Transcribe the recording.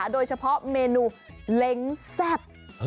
โดยเฉพาะเมนูเล้งแซ่บ